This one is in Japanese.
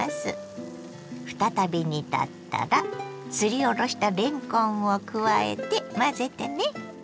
再び煮立ったらすりおろしたれんこんを加えて混ぜてね。